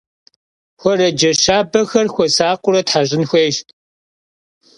Xuerece şabexer xuesakhıure theş'ın xuêyş.